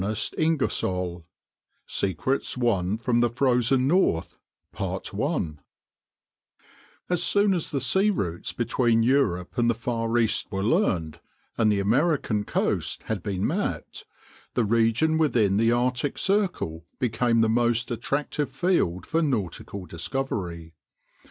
[Illustration: end of chapter decoration] CHAPTER V SECRETS WON FROM THE FROZEN NORTH As soon as the sea routes between Europe and the far East were learned, and the American coasts had been mapped, the region within the Arctic circle became the most attractive field for nautical discovery.